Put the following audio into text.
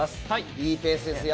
いいペースですよ。